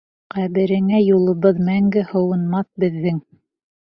Ҡәбереңә юлыбыҙ мәңге һыуынмаҫ беҙҙең.